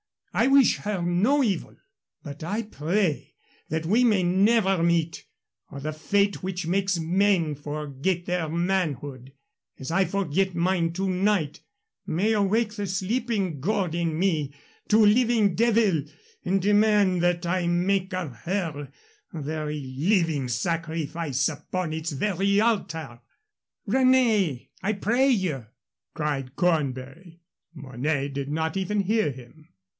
I wish her no evil, but I pray that we may never meet, or the fate which makes men forget their manhood, as I forget mine to night, may awake the sleeping God in me to living devil, and demand that I make of her a very living sacrifice upon its very altar " "René, I pray you!" cried Cornbury. Mornay did not even hear him.